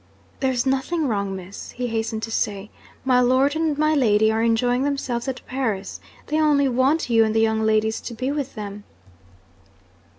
'There's nothing wrong, Miss,' he hastened to say. 'My lord and my lady are enjoying themselves at Paris. They only want you and the young ladies to be with them.'